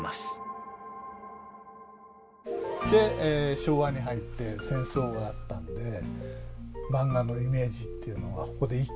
で昭和に入って戦争があったんでマンガのイメージっていうのはここで一気に変わってしまいます。